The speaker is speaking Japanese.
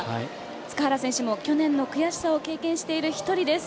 塚原選手も去年の悔しさを経験している一人です。